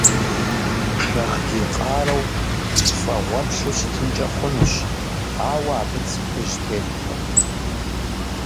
Шагъдий къарэу, пцӀэгъуэплъу щытынкӏэ хъунущ, ауэ абы цы хужь теткъым.